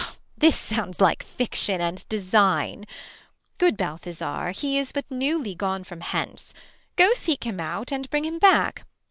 Beat. This sounds like fiction and design. Good Balthazar, he is but newly gone From heiice, go seek him out, and bring him back